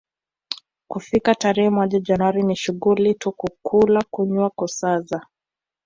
kufika tarehe moja Januari ni shughuli tu kula kunywa kusaza